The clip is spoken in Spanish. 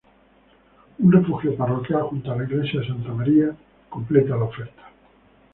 Un refugio parroquial junto a la iglesia de Santa María completa la oferta.